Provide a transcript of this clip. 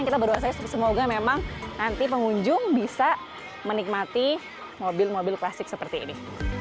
kita berdoa semoga memang nanti pengunjung bisa menikmati mobil mobil klasik seperti ini